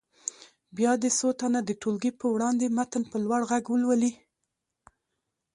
بیا دې څو تنه د ټولګي په وړاندې متن په لوړ غږ ولولي.